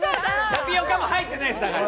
タピオカも入ってないです。